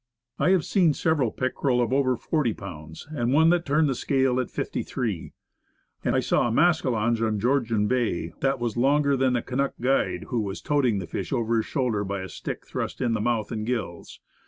I have seen several pickerel of over forty pounds, and one that turned the scale at fifty three. And I saw a mascalonge on Georgian Bay that was longer than the Canuck guide who was toting the fish over his shoulder by a stick thrust in the mouth and gills.